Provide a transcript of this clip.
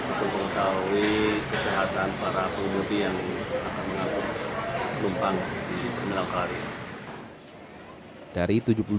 untuk mengetahui kesehatan para pengundi yang akan menumpang di terminal empat